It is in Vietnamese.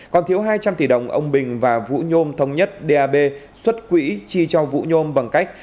còn thiếu hai trăm linh tỷ đồng ông bình và vũ nhôm thống nhất dap xuất quỹ chi cho vũ nhôm bằng cách